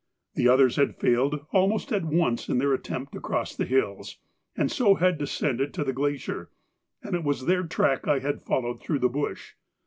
The others had failed almost at once in their attempt to cross the hills and so had descended to the glacier, and it was their track I had followed through the bush.